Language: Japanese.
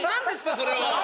それは。